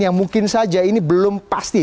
yang mungkin saja ini belum pasti